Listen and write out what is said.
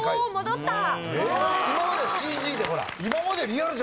今までＣＧでほら。